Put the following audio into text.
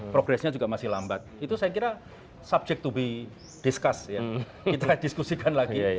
progresnya juga masih lambat itu saya kira subject to be discuss ya kita diskusikan lagi